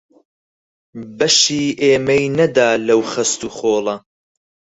بەشی ئێمەی نەدا لەو خەست و خۆڵە